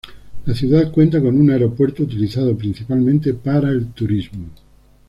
La ciudad cuenta con un aeropuerto utilizado principalmente para el turismo.